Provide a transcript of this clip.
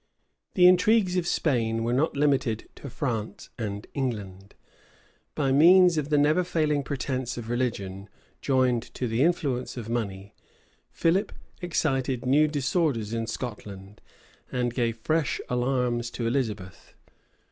The intrigues of Spain were not limited to France and England: by means of the never failing pretence of religion, joined to the influence of money, Philip excited new disorders in Scotland, and gave fresh alarms to Elizabeth.